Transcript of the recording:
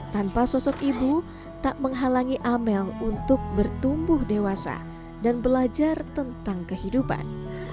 tanpa sosok ibu tak menghalangi amel untuk bertumbuh dewasa dan belajar tentang kehidupan